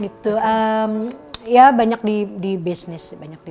gitu ya banyak di bisnis